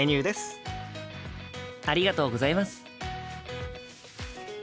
ありがとうございます。